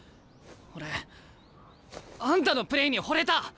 俺あんたのプレーにほれた！